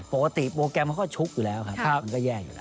โปรแกรมมันก็ชุกอยู่แล้วครับมันก็แย่อยู่แล้ว